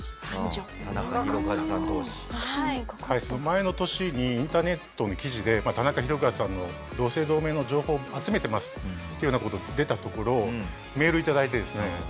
その前の年にインターネットの記事で「田中宏和さんの同姓同名の情報を集めてます」っていうような事出たところメール頂いてですね。